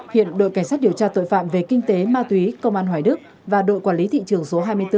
hiện đội cảnh sát điều tra tội phạm về kinh tế ma túy công an hoài đức và đội quản lý thị trường số hai mươi bốn